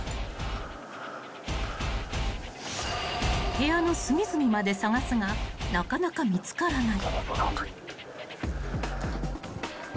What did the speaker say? ［部屋の隅々まで探すがなかなか見つからない］